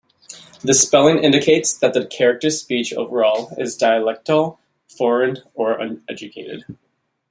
The spelling indicates that the character's speech overall is dialectal, foreign, or uneducated.